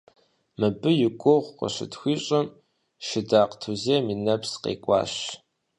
Мыбы и гугъу къыщытхуищӏым, Шыдакъ Тузем и нэпс къекӏуащ.